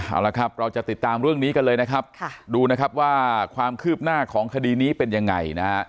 เอาละครับเราจะติดตามเรื่องนี้กันเลยนะครับดูนะครับว่าความคืบหน้าของคดีนี้เป็นยังไงนะฮะ